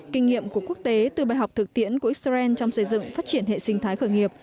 kinh nghiệm của quốc tế từ bài học thực tiễn của israel trong xây dựng phát triển hệ sinh thái khởi nghiệp